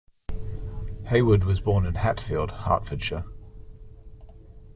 Haywood was born in Hatfield, Hertfordshire.